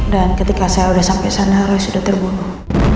dan ketika saya udah sampai sana roy sudah terbunuh